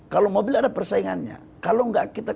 kalau mobil ada persaingannya kalau enggak kita